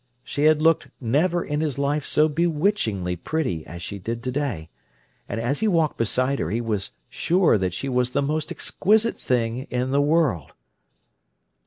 She had looked never in his life so bewitchingly pretty as she did today; and as he walked beside her he was sure that she was the most exquisite thing in the world.